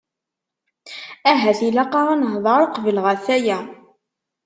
Ahat ilaq-aɣ ad nehder qbel ɣef aya.